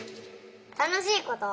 たのしいこと。